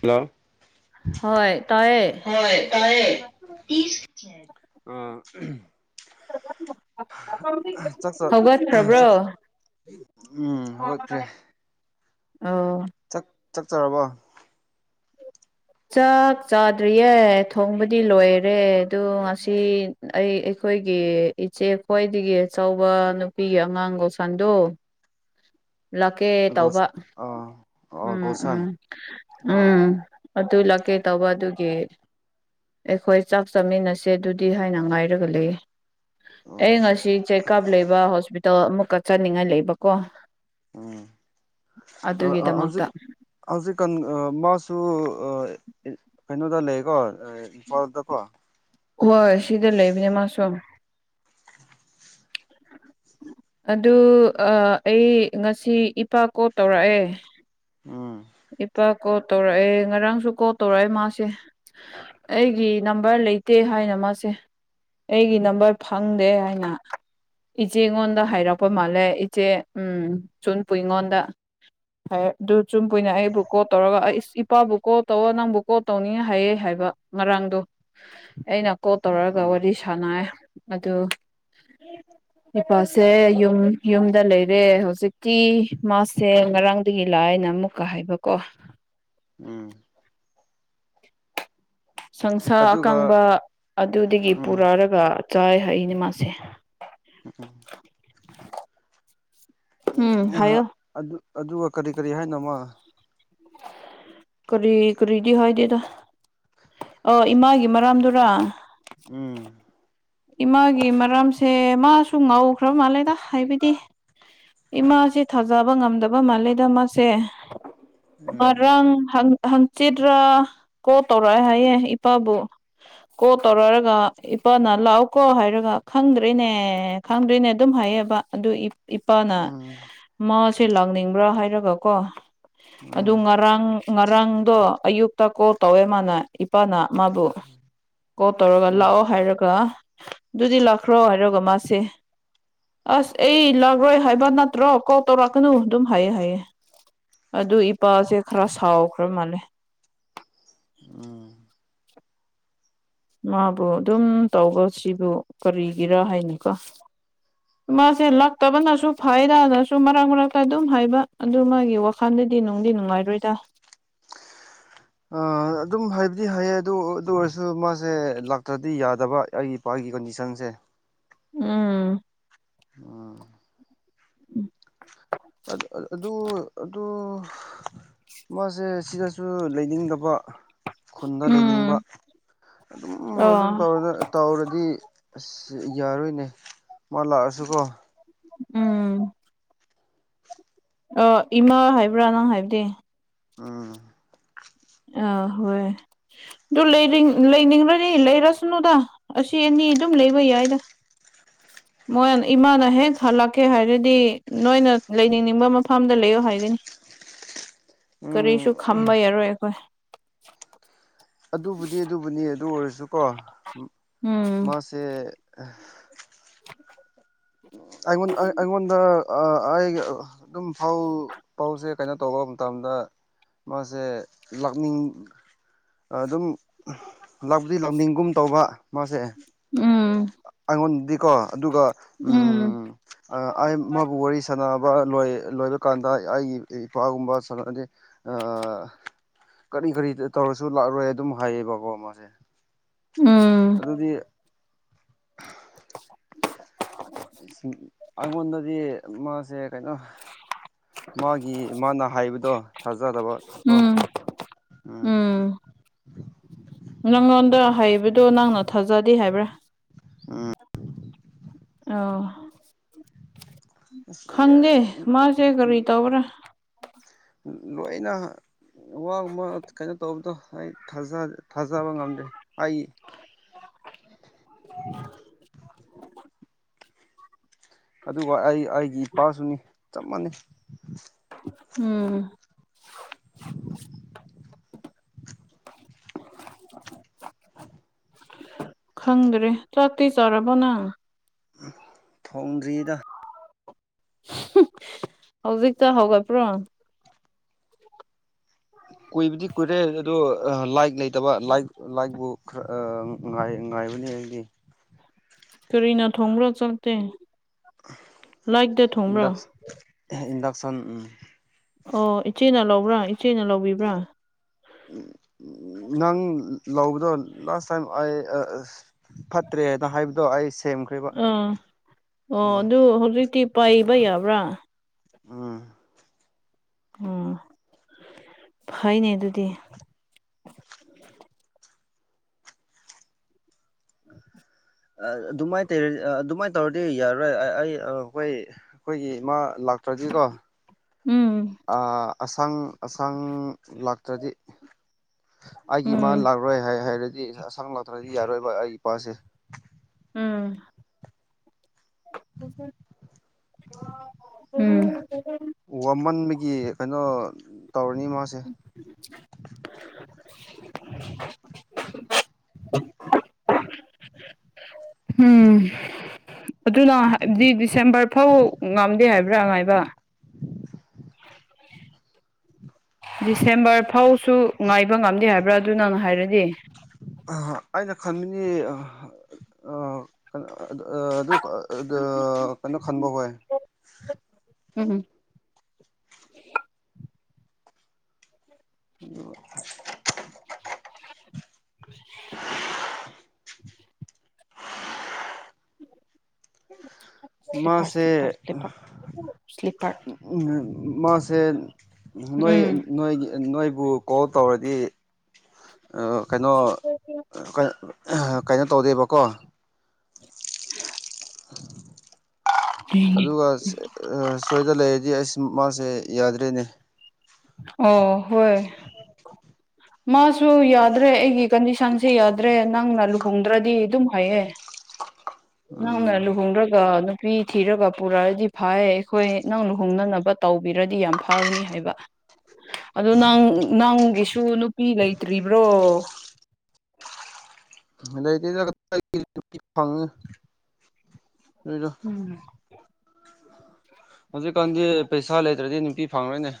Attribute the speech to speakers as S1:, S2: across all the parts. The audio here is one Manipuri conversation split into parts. S1: ꯍꯜꯂꯣ
S2: ꯍꯣꯏ ꯇꯥꯏꯌꯦ
S1: ꯍꯣꯏ ꯇꯔꯦ ꯎꯝ ꯆ
S2: ꯍꯧꯒꯠꯈ꯭ꯔꯕ꯭ꯔꯣ
S1: ꯆꯥꯛ ꯎꯝ ꯍꯧꯒꯠꯈ꯭ꯔꯦ
S2: ꯑꯣ
S1: ꯆꯠꯆꯔꯕꯣ
S2: ꯆꯥꯛ ꯆꯥꯗ꯭ꯔꯤꯌꯦ ꯊꯣꯡꯕꯗꯤ ꯂꯣꯏꯔꯦ ꯑꯗꯣ ꯉꯁꯤ ꯑꯩ ꯑꯩꯈꯣꯏꯒꯤ ꯏꯆꯦ ꯈ꯭ꯋꯥꯏꯗꯒꯤ ꯑꯆꯧꯕ ꯅꯨꯄꯤꯒꯤ ꯑꯉꯥꯡꯒ ꯁꯟꯗꯣ
S1: ꯎ [inaudible]
S2: ꯂꯥꯛꯀꯦ ꯇꯧꯕ
S1: ꯑꯣ
S2: ꯎꯝ ꯎꯝ
S1: ꯒꯣꯁꯟ ꯑꯥ
S2: ꯎꯝ ꯑꯗꯨ ꯂꯥꯛꯀꯦ ꯇꯧꯕ ꯑꯗꯨꯒꯤ ꯑꯩꯈꯣꯏ ꯆꯥꯛ ꯆꯥꯃꯤꯟꯅꯁꯦ ꯑꯗꯨꯗꯤ ꯍꯥꯏꯅ ꯉꯥꯏꯔꯒ ꯂꯩꯌꯦ
S1: ꯑꯣ
S2: ꯑꯩ ꯉꯁꯤ ꯆꯦꯛꯀꯥꯞ ꯂꯩꯕ ꯍꯣꯁꯄꯤꯇꯥꯜ ꯑꯃꯨꯛꯀꯛ ꯆꯥꯅꯤꯡꯉꯥꯏ ꯂꯩꯕꯀꯣ
S1: ꯎꯝ
S2: ꯑꯗꯨꯒꯤꯗꯃꯛꯇ
S1: ꯍꯧꯖꯤꯛ ꯍꯧꯖꯤꯛꯀꯥꯟ ꯃꯥꯁꯨ ꯀꯩꯅꯣꯗ ꯂꯩꯀꯣ ꯏꯝꯐꯥꯜꯗꯀꯣ
S2: ꯍꯣꯏ ꯁꯤꯗ ꯂꯩꯕꯅꯦ ꯃꯥ ꯁꯨꯝ ꯑꯗꯨ ꯑꯩ ꯉꯁꯤ ꯏꯄꯥ ꯀꯣꯜ ꯇꯧꯔꯛꯑꯦ
S1: ꯎꯝ
S2: ꯏꯄꯥ ꯀꯣꯜ ꯇꯧꯔꯛꯑꯦ ꯉꯔꯥꯡꯁꯨ ꯀꯣꯜ ꯇꯧꯔꯛꯑꯦ ꯃꯥꯁꯦ ꯑꯩꯒꯤ ꯅꯝꯕꯔ ꯂꯩꯇꯦ ꯍꯥꯏꯅ ꯃꯥꯁꯦ ꯑꯩꯒꯤ ꯅꯝꯕꯔ ꯐꯪꯗꯦ ꯍꯥꯏꯅ ꯏꯆꯦꯉꯣꯟꯗ
S1: ꯑꯣ
S2: ꯍꯥꯏꯔꯛꯄ ꯃꯥꯜꯂꯦ ꯆꯦ ꯎꯝ ꯆꯨꯝꯄ ꯑꯩꯉꯣꯟꯗ ꯍꯥꯏ ꯑꯗꯨ ꯆꯨꯝ ꯑꯩꯈꯣꯏꯅ ꯑꯩꯕꯨ ꯀꯣꯜ ꯇꯧꯔꯒ ꯏꯁ ꯏꯄꯥꯕꯨ ꯀꯣꯜ ꯇꯧ ꯅꯪꯕꯨ ꯀꯣꯜ ꯇꯧꯅꯤꯡ ꯍꯥꯏꯌꯦ ꯍꯥꯏꯕ ꯉꯥꯡꯗꯣ ꯑꯩꯅ ꯀꯣꯜ ꯇꯧꯔꯛꯑꯒ
S1: ꯎꯝ
S2: ꯋꯥꯔꯤ ꯁꯥꯟꯅꯩ ꯑꯗꯨ
S1: [unintelligible]
S2: ꯏꯄꯥꯁꯦ ꯌꯨꯝ ꯌꯨꯝꯗ ꯂꯩꯔꯦ ꯍꯧꯖꯤꯛꯤ ꯃꯥꯁꯦ ꯉꯔꯥꯡꯗꯒꯤ ꯂꯥꯛꯑꯅ ꯑꯃꯨꯛ ꯀ ꯍꯥꯏꯕꯀꯣ
S1: ꯎꯝ
S2: ꯁꯪꯁꯥ
S1: ꯑꯗꯨꯒ
S2: ꯑꯀꯪꯕ ꯑꯗꯨꯗꯒꯤ
S1: ꯎꯝ
S2: ꯄꯨꯔꯛꯔꯒ ꯆꯥꯏ ꯍꯛꯏꯅꯦ ꯃꯥꯁꯦ
S1: ꯎꯝ ꯎꯝ ꯑꯗꯨ ꯑꯗꯨꯒ ꯀꯔꯤ ꯀꯔꯤ ꯍꯥꯏꯅꯃ
S2: ꯀꯔꯤ ꯀꯔꯤꯗꯤ ꯍꯏꯗꯤꯗ ꯑ ꯏꯃꯥꯒꯤ ꯃꯔꯥꯝꯗꯨꯔꯥ
S1: ꯎꯝ
S2: ꯏꯃꯥꯒꯤ ꯃꯔꯝꯁꯦ ꯃꯥꯁꯨ ꯉꯥꯎꯈ꯭ꯔ ꯃꯥꯜꯂꯦꯗ ꯍꯥꯏꯕꯗꯤ ꯏꯃꯥꯁꯦ ꯊꯥꯖꯕ ꯉꯝꯗꯕ ꯃꯥꯜꯂꯦꯗ ꯃꯥꯁꯦ
S1: ꯎꯝ
S2: ꯃꯔꯪ ꯍꯪꯆꯤꯠ꯭ꯔꯥ ꯀꯣ ꯇꯧꯔꯛꯦ ꯍꯥꯏꯌꯦꯦ ꯏꯄꯥꯕꯨ ꯀꯣ ꯇꯧꯔꯔꯒ ꯏꯄꯥ ꯅ ꯂ ꯀꯣ ꯍꯥꯏꯔꯒ ꯈꯪꯗ꯭ꯔꯔꯤꯅꯦ ꯈꯪꯗ꯭ꯣꯏꯅꯦ ꯑꯗꯨꯝ ꯍꯥꯏꯌꯦꯕ ꯑꯗꯨ ꯏꯄꯥꯅ
S1: ꯎꯝ
S2: ꯃꯥꯁꯦ ꯂꯥꯛꯅꯤꯡꯕ꯭ꯔꯥ ꯍꯥꯏꯔꯒ ꯀꯣ ꯑꯗꯨ
S1: ꯎꯝ
S2: ꯉꯔꯥꯡ ꯉꯔꯥꯡꯗꯣ ꯑꯌꯨꯛꯇ ꯀꯣꯜ ꯇꯧꯋꯦ ꯃꯥꯅ ꯏꯄꯥꯅ ꯃꯥꯕꯨ ꯀꯣꯜ ꯇꯧꯔꯒ
S1: ꯎꯝ
S2: ꯂꯥꯛꯑꯣ ꯍꯥꯏꯔꯒ ꯑꯗꯨꯗꯤ ꯂꯥꯛꯈ꯭ꯔꯣ ꯍꯥꯏꯔꯒ ꯃꯥꯁꯦ ꯑꯁ ꯑꯩ ꯂꯥꯛꯔꯣꯏ ꯍꯥꯏꯕ ꯅꯠꯇ꯭ꯔꯣ ꯀꯣꯜ ꯇꯧꯔꯛꯀꯅꯨ ꯑꯗꯨꯝ ꯍꯥꯏꯌꯦ ꯍꯥꯏꯑ ꯑꯗꯨ ꯏꯄꯥꯁꯦ ꯈꯔ ꯁꯥꯎꯈ꯭ꯔ ꯃꯥꯜꯂꯦ
S1: ꯎꯝ
S2: ꯃꯥꯕꯨ ꯑꯗꯨꯝ ꯇꯧꯕ ꯁꯤꯕꯨ ꯀꯔꯤꯒꯤꯔꯥ ꯍꯥꯏꯅꯤꯨꯀꯣ ꯃꯥꯁꯦ ꯂꯛꯇꯕꯅꯁꯨ ꯐꯥꯏꯔꯅꯁꯨ ꯃꯔꯛ ꯃꯔꯛꯇ ꯑꯗꯨꯝ ꯍꯥꯏꯕ ꯑꯗꯨ ꯃꯥꯒꯤ ꯋꯥꯈꯜꯗ ꯗꯤ ꯅꯨꯡꯗꯤ ꯅꯨꯡꯉꯥꯏꯔꯣꯏꯗ
S1: [unintelligible] ꯑ ꯑꯗꯨꯝ ꯍꯥꯏꯕꯗꯤ ꯍꯌꯦ ꯑꯗꯨ ꯑꯗꯨ ꯑꯣꯏꯔꯁꯨ ꯃꯥꯁꯦ ꯂꯥꯛꯇ꯭ꯔꯗꯤ ꯌꯥꯗꯕ ꯑꯩꯒꯤ ꯏꯄꯥꯒꯤ ꯑꯩ ꯒꯤ ꯀꯟꯗꯤꯁꯟꯁꯦ
S2: ꯑꯝ
S1: ꯎꯝ
S2: ꯎꯝ
S1: ꯑ ꯑꯗꯨ ꯑꯗꯨ ꯑꯗꯨ ꯃꯥꯁꯦ ꯁꯤꯗꯁꯨ ꯂꯩꯅꯤꯡꯗꯕ ꯈꯨꯟꯗ ꯂꯩꯅꯤꯡꯕ
S2: ꯎꯝ
S1: ꯑꯗꯨꯝ ꯑꯗꯨꯝ
S2: ꯑꯣ
S1: ꯇꯔ ꯇꯧꯔꯗꯤ ꯑꯁ ꯌꯥꯔꯣꯏꯅꯦ ꯃꯥ ꯂꯥꯛꯑꯁꯨꯀꯣ
S2: ꯎꯝ ꯑ ꯏꯃꯥ ꯍꯥꯏꯕ꯭ꯔꯥ ꯅꯪ ꯍꯥꯏꯕꯗꯤ
S1: ꯎꯝ
S2: ꯑ ꯍꯣꯏ ꯑꯗꯨ ꯂꯩ ꯂꯩꯅꯤꯡ꯭ꯔꯣ ꯂꯩꯔ ꯁꯅꯨ ꯑꯁꯤ ꯑꯦꯅꯤ ꯑꯗꯨꯝ ꯂꯩꯕ ꯌꯥꯏꯗ
S1: [unintelligible]
S2: ꯃꯣꯏ ꯏꯃꯥꯅ ꯍꯦꯛ ꯍꯜꯂꯛꯀꯦ ꯍꯥꯏꯔꯗꯤ ꯅꯣꯏꯅ ꯂꯩꯅꯤꯡꯅꯤꯡꯕ ꯃꯐꯝꯗ ꯂꯩꯌꯣ ꯍꯥꯏꯒꯅꯤ
S1: [unintelligible] ꯎꯝ
S2: ꯀꯔꯤꯁꯨꯨ ꯈꯥꯝꯕꯩ ꯌꯥꯔꯣꯏꯣꯏ ꯑꯩꯈꯣꯏ
S1: ꯑꯗꯨꯕꯨꯗꯤ ꯑꯗꯨꯕꯨꯅꯤ ꯑꯗꯨ ꯑꯣꯏꯔꯁꯨꯀꯣ
S2: ꯎꯝ
S1: ꯃꯥꯁꯦ ꯑ ꯑꯩ ꯑꯩꯗ ꯑꯩ ꯑꯗꯨꯝ ꯐꯧ ꯐꯧꯁꯦ ꯀꯩꯅꯣ ꯇꯧꯕ ꯃꯇꯝꯗ ꯃꯥꯁꯦ ꯂꯥꯛꯅꯤꯡꯡ ꯑꯗꯨꯝ ꯂꯥꯛꯗꯤ ꯂꯥꯎꯅꯤꯡꯒꯨꯝ ꯇꯧꯕ ꯃꯥꯁꯦ
S2: ꯎꯝ
S1: ꯑꯩꯉꯣꯟꯗꯗꯤꯀꯣ ꯑꯗꯨꯒ
S2: ꯎꯝ
S1: ꯃꯥꯕꯨ ꯋꯥꯔꯤ ꯁꯥꯟꯅꯕ ꯂꯣꯏꯕ ꯀꯥꯟꯗ ꯑꯩꯒꯤ ꯏꯄꯥꯒꯨꯝꯕ ꯀꯔꯤ ꯀꯔꯤ ꯇꯧꯔꯁꯨ ꯂꯥꯛꯂꯣꯏ ꯑꯗꯨꯝ ꯍꯥꯏꯌꯦꯕꯀꯣ ꯃꯥꯁꯦ
S2: ꯎꯝ
S1: ꯑꯗꯨꯗꯤ ꯑꯩꯉꯣꯟꯗꯗꯤ ꯃꯥꯁꯦ ꯀꯩꯅꯣ ꯃꯥꯒꯤ ꯃꯥꯅ ꯍꯥꯏꯕꯗꯣ ꯊꯥꯖꯗꯕ ꯑꯣꯣ
S2: ꯎꯝ
S1: ꯎꯝ [unintelligible]
S2: ꯅꯪꯉꯣꯟꯗ ꯍꯥꯏꯩꯕꯗꯣ ꯊꯥꯖꯗꯦ ꯍꯥꯏꯕ꯭ꯔꯥ
S1: ꯑꯥ
S2: ꯑ
S1: ꯑꯁ
S2: ꯈꯪꯗꯦ ꯃꯥꯁꯦ ꯀꯔꯤ ꯇꯕꯔ
S1: ꯂꯣꯏꯅ ꯋꯥꯃ ꯀꯩꯅꯣ ꯇꯧꯕꯗꯣ ꯑꯩ ꯊꯥꯖ ꯊꯥꯖꯕ ꯉꯝꯗ꯭ꯔꯦ ꯑꯩ ꯑꯗꯨꯒ ꯑꯩ ꯑꯩꯒꯤ ꯏꯄꯥꯁꯨꯅꯤ ꯆꯞ ꯃꯥꯟꯅꯩ
S2: ꯎꯝ [unintelligible] ꯈꯪꯗ꯭ꯔꯦ ꯆꯇ ꯆꯔꯕꯅꯥ
S1: ꯊꯣꯡꯗ꯭ꯔꯤꯗ
S2: ꯍꯧꯖꯤꯛꯇ ꯍꯧꯒꯠꯄ꯭ꯔꯣ
S1: ꯀꯨꯏꯕꯗꯤ ꯀꯨꯏꯔꯦ ꯑꯗꯣ ꯂꯥꯏꯛ ꯂꯩꯇꯕ ꯂꯥꯏꯛ ꯂꯥꯏꯛꯕꯨ ꯈꯔ ꯥꯏ ꯉꯥꯏꯕꯅꯤ ꯑꯩꯗꯤ
S2: ꯀꯔꯤꯅ ꯊꯣꯡꯕ꯭ꯔꯣ ꯆꯠꯇꯦ ꯂꯥꯛꯗ ꯊꯣꯡꯕ꯭ꯔꯣ
S1: ꯏꯟꯗꯛ ꯏꯟꯗꯛꯁꯟ
S2: ꯑꯣ ꯏꯆꯦꯅ ꯂꯧꯕ꯭ꯔꯥ ꯏꯆꯦꯅ ꯂꯧꯕꯤꯕ꯭ꯔꯥ
S1: ꯅꯪ ꯂꯧꯕꯗꯣ ꯂꯥꯁ ꯇꯥꯏꯝ ꯑꯩ ꯐꯠꯇ꯭ꯔꯦꯅ ꯍꯥꯏꯕꯗꯣ ꯑꯩ ꯁꯦꯝꯈ꯭ꯔꯦꯔꯤꯕ
S2: ꯑꯥ
S1: ꯎꯝ
S2: ꯄꯩꯕ ꯌꯥꯕ꯭ꯔꯥ
S1: ꯎꯝ
S2: ꯎ ꯐꯩꯅꯦ ꯑꯗꯨꯗꯤ [unintelligible]
S1: ꯑꯗꯨꯃꯥꯏꯅ ꯇꯧꯔꯗꯤ ꯑꯗꯨꯃꯥꯏꯅ ꯇꯧꯔꯗꯤ ꯌꯥꯔꯔꯣꯏ ꯑꯩ ꯑꯩꯣꯏ ꯑꯩꯈꯣꯏꯒꯤ ꯏꯃꯥ ꯗꯥꯛꯇꯔꯖꯤ ꯀꯣ
S2: ꯎꯝ
S1: ꯑ ꯑꯁꯥꯡ ꯑꯁꯥꯡ ꯂꯥꯛꯇ꯭ꯔꯗꯤ ꯑꯩꯒꯤ ꯏꯃꯥꯅ
S2: ꯎꯝ
S1: ꯂꯥꯛꯔꯣꯏ ꯍꯥꯏ ꯍꯥꯏꯔꯗꯤ ꯁꯥꯡ ꯂꯥꯛꯇ꯭ꯔꯗꯤ ꯌꯥꯔꯣꯏꯕ ꯑꯩ ꯏꯄꯥꯁꯦ
S2: ꯎꯝ ꯎꯝ
S1: ꯋꯥꯃꯟꯕꯒꯤ ꯀꯩꯅꯣ ꯇꯧꯔꯅꯤ ꯃꯥꯁꯦ
S2: [unintelligible] ꯎꯝ ꯑꯗꯨꯅ ꯍꯥꯏꯕꯗꯤ ꯗꯤꯁꯦꯝꯕꯔ ꯐꯥꯎ ꯉꯝꯗꯦ ꯍꯥꯏꯕ꯭ꯔꯥ ꯉꯥꯏꯕ ꯗꯤꯁꯦꯝꯕꯔ ꯐꯥꯎꯁꯨ ꯉꯥꯏꯕ ꯉꯝꯗꯦ ꯍꯥꯏꯕ꯭ꯔꯥ ꯑꯗꯨ ꯅꯪ ꯍꯥꯏꯔꯗꯤ
S1: ꯑꯩꯅ ꯈꯟꯕꯅꯤ ꯀꯩꯅꯣ ꯑꯗꯨ ꯀꯩꯅꯣ ꯈꯟꯕ ꯍꯣꯏ
S2: ꯎꯝ ꯎꯝ
S1: ꯑꯗꯨ
S2: [unintelligible] ꯁ꯭ꯂꯤꯞꯄꯔ
S1: ꯃꯥꯁꯦ
S2: ꯁ꯭ꯂꯤꯞꯄꯔ ꯁ꯭ꯂꯤꯞꯄꯔ ꯁ꯭ꯂꯤꯞꯄꯔ
S1: ꯎꯝ ꯃꯥꯁꯦ ꯅꯣꯏ
S2: ꯎꯝ
S1: ꯅꯣꯏ ꯅꯣꯏ ꯕꯨ ꯀꯣꯜ ꯇꯧꯔꯗꯤ ꯀꯩꯅꯣ ꯀꯩꯅꯣ ꯇꯧꯗꯦꯕꯀꯣ
S2: [unintelligible]
S1: ꯑꯗꯨꯒ ꯁꯣꯏꯗ ꯂꯩꯔꯗꯤ ꯑꯩꯁ ꯃꯥꯁꯦ ꯌꯥꯗ꯭ꯔꯦꯅꯦ
S2: ꯑꯣ ꯍꯣꯏ ꯃꯥꯁꯨ ꯌꯥꯗ꯭ꯔꯦ ꯑꯩꯒꯤ ꯀꯟꯗꯤꯁꯟꯁꯦ ꯌꯥꯗ꯭ꯔꯦ ꯅꯪꯅ ꯂꯨꯍꯣꯡꯗ꯭ꯔꯗꯤ ꯑꯗꯨꯝ ꯍꯥꯏꯌꯦ ꯅꯪ ꯍ꯭ꯔꯣ
S1: ꯎꯝ
S2: ꯑꯗꯨꯒ ꯅꯨꯄꯤ ꯊꯤꯔꯒ ꯄꯨꯔꯛꯑꯗꯤ ꯐ ꯑꯩꯈꯣꯏ ꯅꯪ ꯂꯨꯍꯣꯡꯅꯅꯕ ꯇꯧꯕꯤꯔꯗꯤ ꯌꯥꯝ ꯐꯒꯅꯤ ꯍꯥꯏꯕ ꯑꯗꯨ ꯅꯪ ꯅꯪꯒꯤꯁꯨ ꯅꯨꯄꯤ ꯂꯩꯇ꯭ꯔꯤꯕ꯭ꯔꯣ
S1: [unintelligible] ꯂꯩ ꯐꯉꯗ
S2: ꯎꯝ
S1: ꯍꯧꯖꯤꯛꯀꯥꯟꯗꯤ ꯄꯩꯁꯥ ꯂꯩꯇ꯭ꯔꯗꯤ ꯅꯨꯄꯤ ꯐꯪꯉꯣꯏꯅꯦ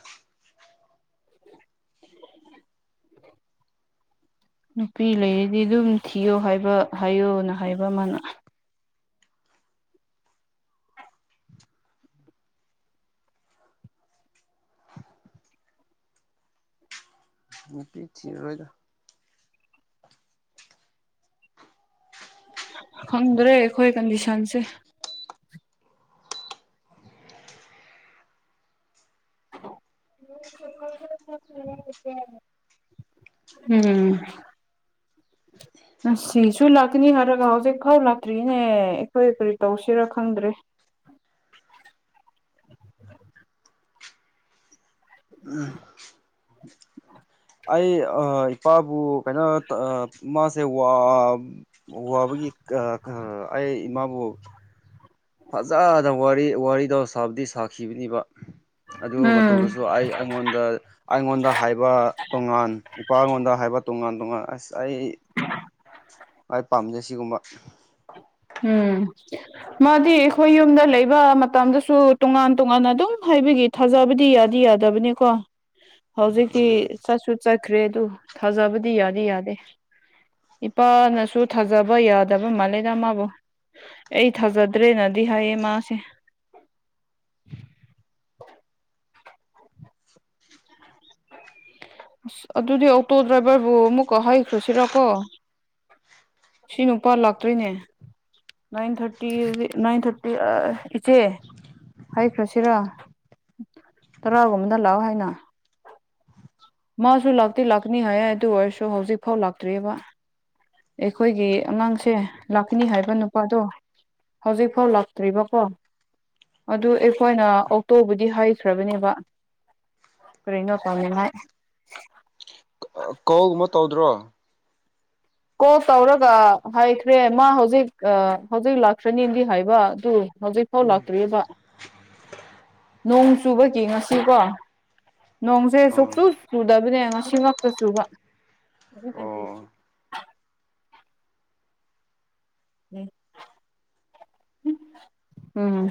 S2: ꯅꯨꯄꯤ ꯂꯩꯔꯗꯤ ꯑꯗꯨꯝ ꯊꯤꯌꯣ ꯍꯥꯏꯕ ꯍꯥꯏꯌꯣꯅ ꯍꯥꯏꯕ ꯑꯃꯅ
S1: [unintelligible] ꯅꯨꯄꯤ ꯊ ꯑꯣꯏꯣꯏꯗ
S2: ꯈꯪꯗ꯭ꯔꯦ ꯑꯩꯈꯣꯏ ꯀꯟꯗꯤꯁꯟꯁꯦ [unintelligible] ꯎꯝ ꯁꯤꯁꯨ ꯂꯥꯛꯀꯅꯤ ꯍꯥꯏꯔꯒ ꯍꯧꯖꯤꯛ ꯐꯥꯎ ꯂꯥꯛꯇ꯭ꯔꯤꯅꯦ ꯑꯩꯈꯣꯏ ꯀꯔꯤ ꯇꯧꯁꯤꯔ ꯈꯪꯗ꯭ꯔꯦ
S1: [unintelligible] ꯎꯝ ꯑꯩ ꯏꯄꯥꯕꯨ ꯀꯩꯅꯣ ꯃꯥꯁꯦ ꯋꯥꯕꯒꯤ ꯑꯩꯃꯕꯨ ꯐꯖꯅ ꯋꯥꯔꯤ ꯋꯥꯔꯤꯗꯣ ꯁꯥꯕꯨꯗꯤ ꯁꯥꯈꯤꯕꯅꯤꯕ ꯑꯗꯨ
S2: ꯎꯝ
S1: ꯃꯇꯨꯡꯗꯁꯨ ꯑꯩ ꯑꯩꯉꯣꯟꯗ ꯑꯩꯉꯣꯟꯗ ꯍꯥꯏꯕ ꯇꯣꯉꯥꯟ ꯏꯄꯥꯉꯣꯟꯗ ꯍꯥꯏꯕ ꯇꯣꯉꯥꯟ ꯇꯉ ꯉꯁꯥꯏ ꯑꯩ ꯄꯥꯝꯖꯩ ꯁꯤꯒꯨꯝꯕ
S2: ꯎꯝ ꯃꯥꯗꯤ ꯑꯩꯈꯣꯏ ꯌꯨꯝꯗ ꯂꯩꯕ ꯃꯇꯝꯗꯁꯨ ꯇꯣꯉꯥꯟ ꯇꯣꯉꯥꯟꯅ ꯑꯗꯨꯝ ꯍꯥꯏꯕꯤ ꯊꯥꯖꯕꯗꯤ ꯌꯥꯗꯤ ꯌꯥꯗꯕꯅꯤꯀꯣ ꯍꯧꯖꯤꯛꯀꯤ ꯆꯥꯛꯁꯨꯠ ꯆ ꯠꯈ꯭ꯔꯦ ꯑꯗꯨ ꯊꯥꯖꯕꯗꯤ ꯌꯥꯗꯤ ꯌꯥꯗꯦ ꯏꯄꯥꯅꯁꯨ ꯊꯥꯖꯕ ꯌꯥꯗꯕ ꯃꯥꯜꯂꯦꯗ ꯃꯥꯕꯨ ꯑꯩ ꯊꯥꯖꯗ꯭ꯔꯦꯅꯗꯤ ꯍꯥꯏꯌꯦ ꯃꯥꯁꯦ
S1: [unintelligible]
S2: ꯑꯁ ꯑꯗꯨꯗꯤ ꯑꯣꯛꯇꯣ ꯗ꯭ꯔꯥꯏꯚꯔꯕꯨ ꯑꯃꯨꯛꯀ ꯍꯩꯈ꯭ꯔꯁꯤꯔꯀꯣ ꯁꯤ ꯅꯨꯄꯥ ꯂꯥꯛꯇ꯭ꯣꯏꯅꯦ ꯅꯥꯟ ꯊꯔꯇꯤ ꯅꯏꯟ ꯊꯔꯇꯤ ꯏꯆꯦ ꯍꯥꯏꯈ꯭ꯔꯁꯤꯔ ꯇꯔꯥꯒꯨꯝꯕꯗ ꯂꯥꯛꯑꯣ ꯍꯥꯏꯅ ꯃꯥꯁꯨ ꯂꯥꯛꯇꯤ ꯂꯥꯛꯀꯅꯤ ꯍꯥꯏ ꯑꯗꯨ ꯑꯣꯏꯔꯁꯨ ꯍꯧꯖꯤꯛ ꯐꯥꯎ ꯂꯥꯛꯇ꯭ꯔꯤꯕ ꯑꯩꯈꯣꯏꯒꯤ ꯑꯉꯥꯡꯁꯦ ꯂꯥꯛꯀꯅꯤ ꯍꯥꯏꯕ ꯅꯨꯄꯥꯗꯣ ꯍꯖꯤꯕꯣ ꯂꯥꯛꯇꯔꯤꯕ ꯀꯣ ꯑꯗꯨ ꯑꯩꯈꯣꯏꯅ ꯑꯣꯛꯇꯣꯕꯨꯗꯤ ꯍꯩꯈ꯭ꯔꯕꯅꯦꯕ ꯀꯔꯤ ꯉꯄꯥꯝꯅꯤꯉ
S1: ꯀꯧꯒꯨꯝꯕ ꯇꯧꯗ꯭ꯔꯣ
S2: ꯀꯣꯜ ꯇꯧꯔꯒ ꯍꯥꯏꯈ꯭ꯔꯦ ꯃꯥ ꯍꯧꯖꯤꯛ ꯍꯧꯖꯤꯛ ꯂꯥꯛꯇ꯭ꯔꯅꯤꯅꯗꯤ ꯍꯥꯏꯕ ꯑꯗꯨ ꯍꯧꯖꯤꯛ ꯐꯥꯎ ꯂꯥꯛꯇ꯭ꯔꯤꯔꯤꯕ
S1: ꯎ [unintelligible]
S2: ꯅꯣꯡ ꯆꯨꯕꯒꯤ ꯉꯁꯤꯀꯣ ꯅꯣꯡꯁꯦ
S1: ꯑꯣ
S2: ꯁꯨꯛꯁꯨꯨ ꯆꯨꯗꯕꯅꯦ ꯉꯁꯤꯃꯛꯇ ꯆꯨꯕ
S1: ꯑꯣ
S2: ꯎꯝ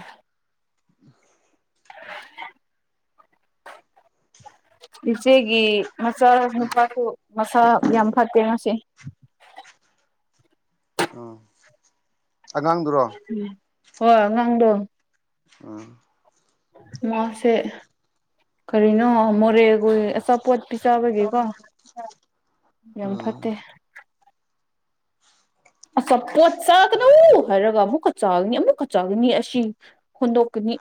S1: [unintelligible]
S2: ꯏꯆꯦꯒꯤ ꯃꯆꯥ ꯅꯨꯄꯥꯁꯨ ꯃꯆꯥ ꯌꯥꯝ ꯐꯠꯇꯦ ꯃꯁꯦ
S1: [unintelligible] ꯑꯥ ꯑꯉꯥꯡꯗꯨꯔꯣ
S2: ꯍ ꯉꯥꯡꯗꯣ
S1: ꯑꯥ
S2: ꯃꯥ ꯁꯦ ꯀꯔꯤꯅꯣ ꯃꯣꯔꯦ ꯑꯩꯣꯏ ꯑꯁꯥꯄꯣꯠꯄꯤꯤ ꯆꯥꯕꯒꯦꯀꯣ ꯌꯥꯝ
S1: ꯑꯥ
S2: ꯐꯠꯇꯦ ꯑ ꯄꯣꯠ ꯆꯥꯒꯅꯨ ꯍꯥꯏꯔꯒ ꯑꯃꯨꯛꯀ ꯆꯥꯒꯅꯤ ꯑꯃꯨꯛꯀ ꯆꯥꯒꯅꯤ ꯑꯁꯤ ꯍꯣꯟꯗꯣꯛꯀꯅꯤ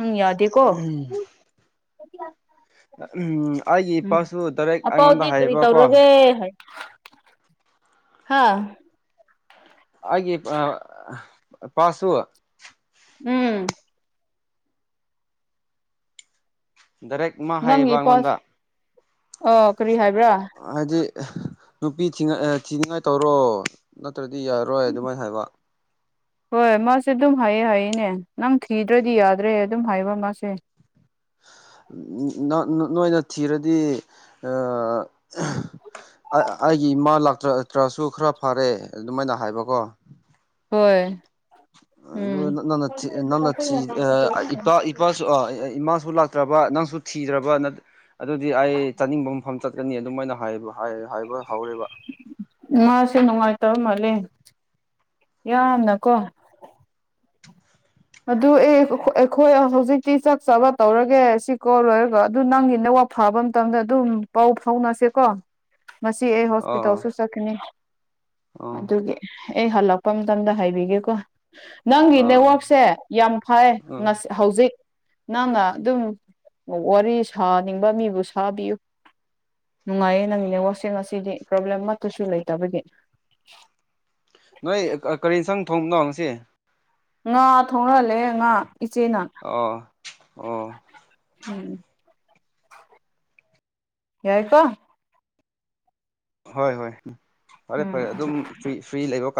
S2: ꯎꯝ ꯌꯥꯗꯤꯀꯣ
S1: ꯎꯝ ꯑꯩꯒꯤ
S2: ꯎꯝ
S1: ꯏꯄꯥꯁꯨ ꯗꯥꯏꯔꯦꯛ
S2: ꯑ
S1: ꯑꯩꯉꯣꯟꯗ
S2: ꯄꯥꯎꯗꯤ ꯀꯔꯤ
S1: ꯍꯥꯏꯌꯦꯕꯀꯣ
S2: ꯇꯧꯔꯒꯦ ꯍꯥꯏ ꯍꯥꯥ
S1: ꯍꯥꯏꯦ ꯑ ꯄꯥꯁꯨ
S2: ꯎꯝ
S1: ꯗꯥꯏꯔꯦꯛ ꯃꯥ ꯍꯥꯏꯌꯦꯕ ꯑꯩꯉꯣꯟꯗ
S2: ꯑꯣ ꯀꯔꯤ ꯍꯥꯏꯕꯤ
S1: ꯍꯥꯏꯗꯤ ꯅꯨꯄꯤ ꯊꯤꯅꯤꯡꯉꯥꯏ ꯇꯧꯔꯣ ꯅꯠꯇ꯭ꯔꯗꯤ ꯌꯥꯔꯔꯣꯏ ꯑꯗꯨꯃꯥꯏꯅ ꯍꯥꯏꯕ
S2: ꯍꯣꯏ ꯃꯥꯁꯦ ꯑꯗꯨꯝ ꯍꯥꯏꯌꯦ ꯍꯥꯏꯌꯦꯅꯦ ꯅꯪ ꯊꯤꯗ꯭ꯔꯗꯤ ꯌꯥꯗ꯭ꯔꯦ ꯑꯗꯨꯝ ꯍꯥꯏꯕ ꯃꯥꯁꯦ
S1: ꯅꯣꯏꯅ ꯊꯤꯔꯗꯤ ꯑꯩꯒꯤ ꯏꯃꯥ ꯂꯥꯛꯇ꯭ꯔ꯭ꯔꯁꯨ ꯈꯔ ꯐꯔꯦ ꯑꯗꯨꯃꯥꯏꯅ ꯍꯥꯏꯕꯀꯣ
S2: ꯍꯣꯏ
S1: ꯑꯗꯨ
S2: ꯎꯝ
S1: ꯅꯥꯟꯁꯤ ꯅꯥꯟꯠꯁꯤꯤ ꯑ ꯏꯄꯥ ꯏꯄꯥ ꯏꯃꯥꯁꯨ ꯂꯥꯛꯇ꯭ꯔꯕ ꯅꯪꯁꯨ ꯊꯤꯗ꯭ꯔꯕ ꯑꯗꯨꯗꯤ ꯑꯩ ꯆꯥꯅꯤꯡꯕ ꯃꯐꯝ ꯆꯠꯀꯅꯤ ꯑꯗꯨꯃꯥꯏꯅ ꯍꯥꯏꯕ ꯍꯥꯏꯕ ꯍꯧꯔꯦꯕ
S2: ꯃꯥꯅꯨꯡꯁꯦ ꯅꯨꯡꯉꯥꯏ ꯇꯧ ꯃꯥꯂꯦ ꯌꯥꯝꯅꯀꯣ ꯑꯗꯨ ꯑꯦ ꯑꯩꯈꯣꯏ ꯍꯧꯖꯤꯛꯇꯤ ꯆꯥꯛ ꯆꯥꯕ ꯇꯧꯔꯒꯦ ꯁꯤꯀꯣ ꯂꯣꯏꯔꯒ ꯑꯗꯨ ꯅꯪꯒꯤ ꯅ ꯄꯥꯎ ꯐꯥꯕ ꯃꯇꯝꯗ ꯑꯗꯨꯝ ꯄꯥꯎ ꯐꯥꯎꯅꯁꯦꯀꯣ ꯃꯁꯤ ꯑꯩ
S1: ꯑꯣ
S2: ꯍꯣꯁꯄꯤꯇꯥꯜꯁꯨ ꯆꯠꯀꯅꯤ
S1: ꯑꯣ
S2: ꯑꯗꯨꯒꯤ ꯑꯩ ꯍꯜꯂꯛꯄ ꯃꯇꯝꯗ ꯍꯥꯏꯕꯤꯒꯦꯀꯣ ꯅꯪꯒꯤ
S1: ꯑꯥ
S2: ꯅꯦꯠꯋꯔꯛ ꯌꯥꯝ ꯐ
S1: ꯎꯝ
S2: ꯍꯧꯖꯤꯛ ꯅꯪꯅ ꯑꯗꯨꯝ ꯋꯥꯔꯤ ꯁꯥꯅꯤꯡꯕ ꯃꯤꯕꯨ ꯁꯥꯕꯤꯌꯨ ꯅꯨꯡꯉꯥꯏꯌꯦ ꯅꯪꯒꯤ ꯅꯦꯠꯋꯥꯛꯁꯤꯡ ꯉꯁꯤꯗꯤ ꯄ꯭ꯔꯣꯕ꯭ꯂꯦꯝ ꯑꯃꯠꯇꯁꯨ ꯂꯩꯇꯕꯒꯤ
S1: ꯅꯣꯏ ꯀꯔꯤ ꯁꯪ ꯊꯣꯡꯅꯣꯁꯤ
S2: ꯉꯥ ꯊꯣꯡꯅꯍꯜꯂꯦ ꯉꯥ ꯏꯆꯦꯅ
S1: ꯑꯣ ꯑꯣ
S2: ꯎꯝ ꯌꯥꯏ ꯀ
S1: ꯍꯣꯏ ꯍꯣꯏ ꯐꯔꯦ
S2: ꯎꯝ
S1: ꯐꯔꯦ ꯑꯗꯨꯝ ꯐ꯭ꯔꯤ ꯐ꯭ꯔꯤ ꯂꯩꯕ ꯀꯥꯟꯗ